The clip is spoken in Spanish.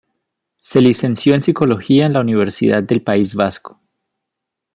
Se licenció en Psicología en la Universidad del País Vasco.